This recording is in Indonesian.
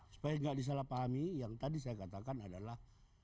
supaya gak disalah pahami yang tadi saya katakan adalah